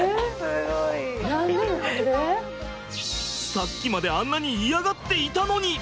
さっきまであんなに嫌がっていたのに！